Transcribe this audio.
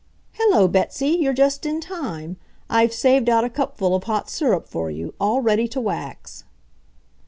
"Hello, Betsy, you're just in time. I've saved out a cupful of hot syrup for you, all ready to wax."